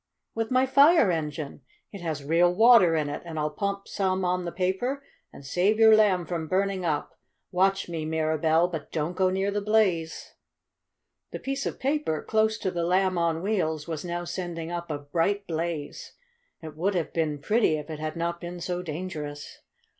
"With my fire engine! It has real water in it, and I'll pump some on the paper and save your Lamb from burning up. Watch me, Mirabell, but don't go near the blaze!" The piece of paper, close to the Lamb on Wheels, was now sending up a bright blaze. It would have been pretty if it had not been so dangerous.